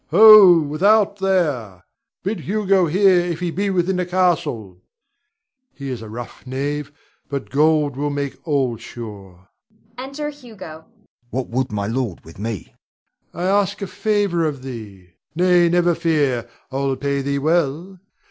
Ho, without there! Bid Hugo here if he be within the castle. He is a rough knave, but gold will make all sure. [Enter Hugo. Hugo. What would my lord with me? Rod. I ask a favor of thee. Nay, never fear, I'll pay thee well.